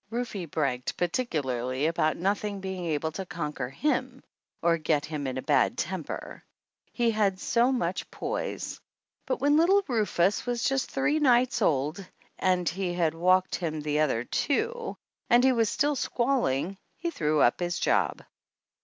Rufe bragged particu larly about nothing being able to conquer him or get him in a bad temper, he had so much 148 THE ANNALS OF ANN poise. But when little Rufus was just three nights old and he had walked him the other two and he was still squalling he threw up his job.